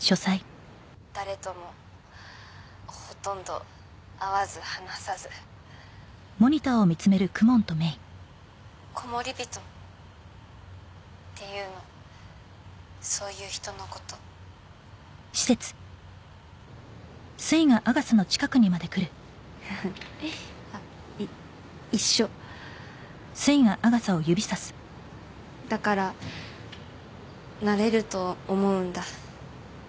「誰ともほとんど会わず話さず」「コモリビトっていうのそういう人のこと」ははっあっい一緒だからなれると思うんだ